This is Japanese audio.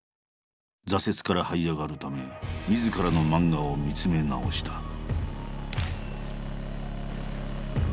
挫折からはい上がるためみずからの漫画を見つめ直した。